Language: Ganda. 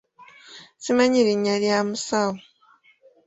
Simanyi linnya lya musawo .